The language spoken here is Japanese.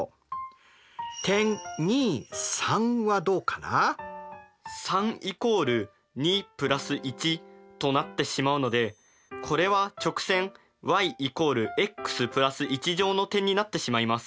点はどうかな？となってしまうのでこれは直線ｙ＝ｘ＋１上の点になってしまいます。